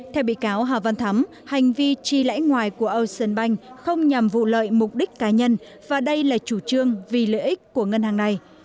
theo bị cáo hà văn thắm hành vi tri lãi ngoài của âu sơn banh không nhằm vụ lợi mục đích cá nhân và đây là chủ trương vì lợi ích của ngân hàng này